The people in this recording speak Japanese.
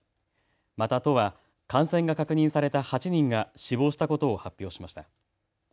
また都は感染が確認された８人が死亡したことを発表しました。